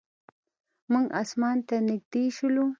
موږ اسمان ته نږدې شولو.